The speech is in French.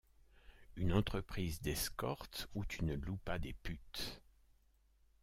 Une entreprise d'escorte où tu ne loues pas des putes.